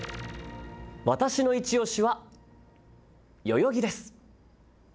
わたしのいちオシは代々木です。